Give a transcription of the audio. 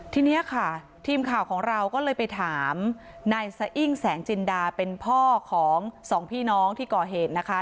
ทีนี้ค่ะทีมข่าวของเราก็เลยไปถามนายสะอิ้งแสงจินดาเป็นพ่อของสองพี่น้องที่ก่อเหตุนะคะ